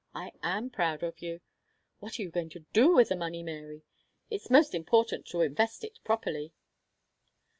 I am proud of you. What are you going to do with the money, Mary? It's most important to invest it properly."